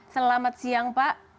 selamat siang pak